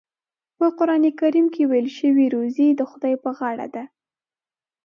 په قرآن کریم کې ویل شوي روزي د خدای په غاړه ده.